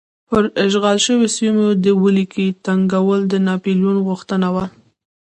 پر اشغال شویو سیمو د ولکې ټینګول د ناپلیون غوښتنه وه.